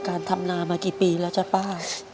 การทำนามากี่ปีแล้วจ๊ะป้า